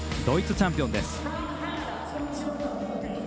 ドイツチャンピオンです。